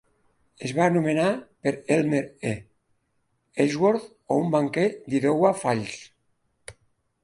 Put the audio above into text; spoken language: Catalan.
Es va anomenar per Elmer E. Ellsworth, o un banquer d'Iowa Falls.